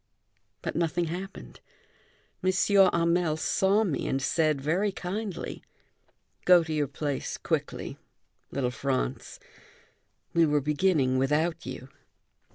But nothing happened, M. Hamel saw me and said very kindly: "Go to your place quickly, little Franz. We were beginning without you."